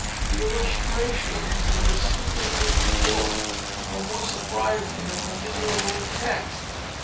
The illustrations in this stupid little book were more surprising than the miserable text.